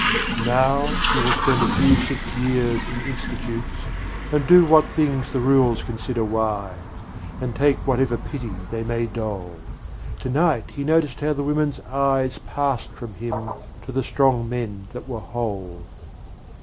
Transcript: Now, he will spend a few sick years in Institutes, And do what things the rules consider wise, And take whatever pity they may dole. To night he noticed how the women's eyes Passed from him to the strong men that were whole.